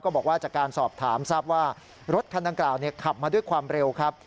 บอกว่าจากการสอบถามทราบว่ารถคันดังกล่าวขับมาด้วยความเร็วครับ